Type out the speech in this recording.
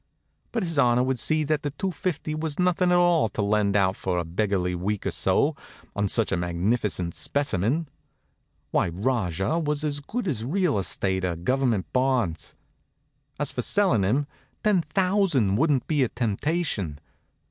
But his honor would see that the two fifty was nothing at all to lend out for a beggarly week or so on such a magnificent specimen. Why, Rajah was as good as real estate or Government bonds. As for selling him, ten thousand wouldn't be a temptation.